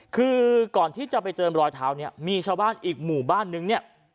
คือก่อนที่จะไปเจอรอยเท้าเนี่ยมีชาวบ้านอีกหมู่บ้านนึงเนี่ย